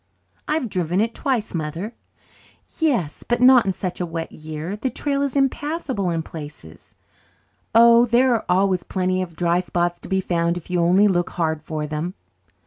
"I've driven it twice, Mother." "Yes, but not in such a wet year. The trail is impassable in places." "Oh, there are always plenty of dry spots to be found if you only look hard for them."